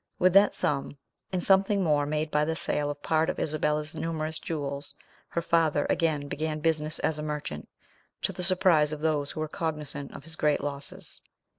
With that sum, and something more made by the sale of part of Isabella's numerous jewels, her father again began business as a merchant, to the surprise of those who were cognisant of his great losses.